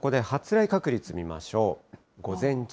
そこで発雷確率見ましょう。